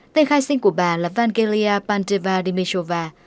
tên khai sinh của bà là vangelia panteva dimitrova